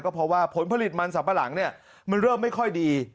เพราะว่าผลผลิตมันสัมปะหลังมันเริ่มไม่ค่อยดี